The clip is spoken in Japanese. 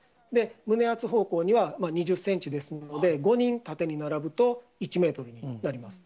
胸厚方向には２０センチですので、５人縦に並ぶと１メートルになります。